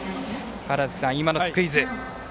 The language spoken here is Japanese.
川原崎さん、今のスクイズ。